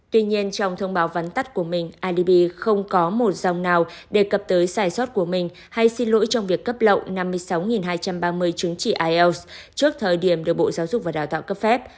tuy nhiên trong thông báo vắn tắt của mình idb không có một dòng nào đề cập tới sai sót của mình hay xin lỗi trong việc cấp lậu năm mươi sáu hai trăm ba mươi chứng chỉ ielts trước thời điểm được bộ giáo dục và đào tạo cấp phép